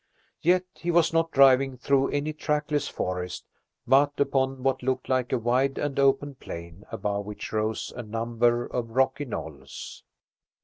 Yet he was not driving through any trackless forest, but upon what looked like a wide and open plain, above which rose a number of rocky knolls.